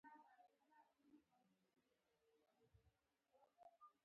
هره ډلې د بلې ډلې باور ناحقه ګاڼه.